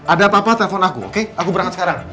ada apa apa telpon aku oke aku berangkat sekarang